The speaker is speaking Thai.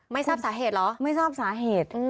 ไม่ทราบสาเหตุเหรอไม่ทราบสาเหตุ